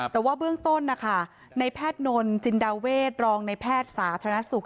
แต่ว่าเบื้องต้นนะคะในแพทย์นนท์จินดาเวทรองในแพทย์สาธารณสุข